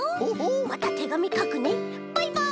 またてがみかくねバイバイ！」